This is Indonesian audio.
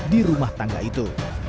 di rumah tangga itu